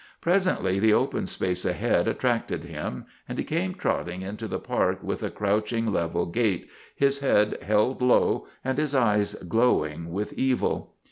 Presently the open space ahead attracted him and he came trotting into the park with a crouching, level gait, his head held low and his eyes glowing with evil.